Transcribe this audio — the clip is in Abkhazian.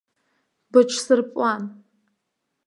Быҿсырпуан.